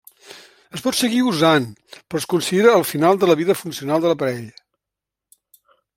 Es pot seguir usant però es considera el final de la vida funcional de l'aparell.